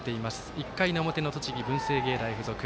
１回の表の栃木、文星芸大付属。